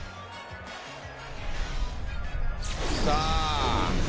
さあ。